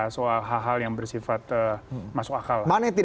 soal hal hal yang bersifat